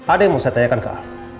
ada yang mau saya tanyakan ke